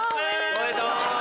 おめでとう。